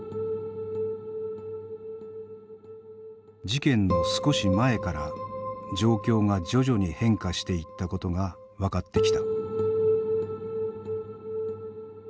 事件の少し前から状況が徐々に変化していったことが分かってきた。